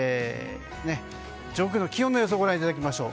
上空の気温の予想をご覧いただきましょう。